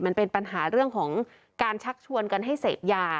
มันเป็นปัญหาเรื่องของการชักชวนกันให้เสพยา